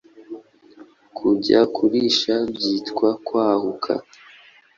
Kujya kurisha byitwa Kwahuka